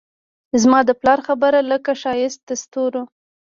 زما د پلار خبرې لکه ښایست دستورو